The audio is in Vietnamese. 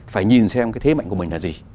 phải nhìn xem cái thế mạnh của mình là gì